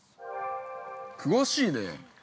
◆詳しいね。